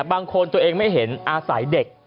บางคนตัวเองไม่เห็นอาศัยเด็ก